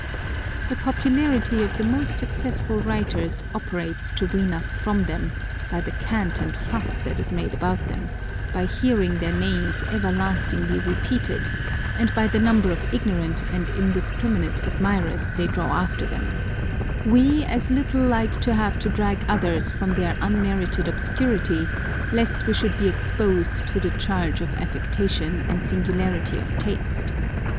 The popularity of the most successful writers operates to wean us from them, by the cant and fuss that is made about them, by hearing their names everlastingly repeated, and by the number of ignorant and indiscriminate ad mirers they draw after them : â€" we as little like to have to drag others from their unmerited obscurity, lest we should be exposed to the charge of affectation and singularity of taste.